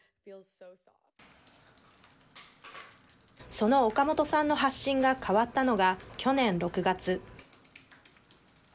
そのオカモトさんの発信が変わったのが去年６月。